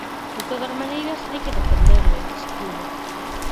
"De todas maneiras hai que defendelo", escribe.